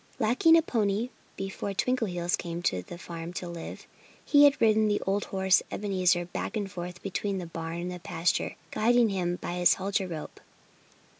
Lacking a pony, before Twinkleheels came to the farm to live, he had ridden the old horse Ebenezer back and forth between the barn and the pasture, guiding him by his halter rope.